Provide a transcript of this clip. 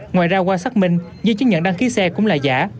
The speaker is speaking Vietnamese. ngoài ra qua xác minh giấy chứng nhận đăng ký xe cũng là giả